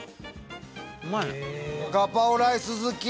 ガパオライス好き廉